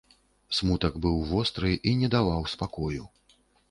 Смутак быў востры і не даваў спакою.